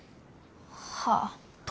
はあ。